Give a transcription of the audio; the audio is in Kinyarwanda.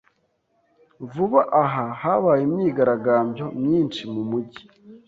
Vuba aha habaye imyigaragambyo myinshi mumujyi.